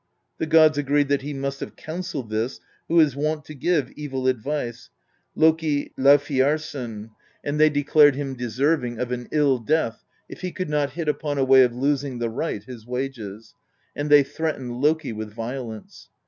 The gods agreed that he must have counselled this who is wont to give evil advice, Loki Laufeyarson, and they declared THE BEGUILING OF GYLFI 55 him deserving of an ill death, if he could not hit upon a way of losing the wright his wages; and they threatened Loki with violence.